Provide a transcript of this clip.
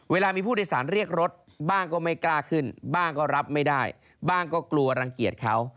เวลามีผู้โดยสารเรียกรถบ้างก็ไม่กล้าขึ้นบ้างก็รับไม่ได้บ้างก็กลัวรังเกียจเขา